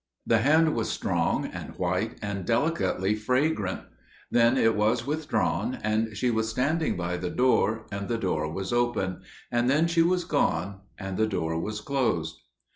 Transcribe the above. The hand was strong and white, and delicately fragrant. Then it was withdrawn, and she was standing by the door, and the door was open; and then she was gone, and the door was closed.